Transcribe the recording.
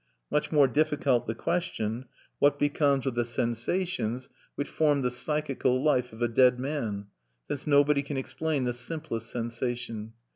Much more difficult the question, What becomes of the sensations which formed the psychical life of a dead man? since nobody can explain the simplest sensation.